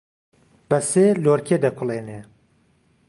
بەسێ لۆرکێ دەکوڵێنێ